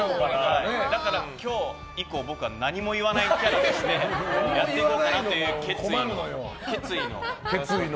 だから今日以降僕は何も言わない感じでやっていこうかなという決意の。